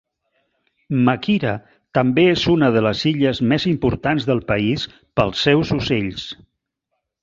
Makira també és una de les illes més importants del país pels seus ocells.